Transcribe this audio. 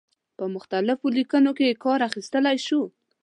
په مختلفو لیکنو کې کار اخیستلای شو.